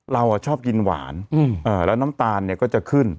เราชอบกินหวานแล้วน้ำตาลเนี่ยก็จะขึ้น